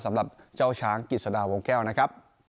สำหรับเจ้าช้างกิจสดาวงแก้วนะครับ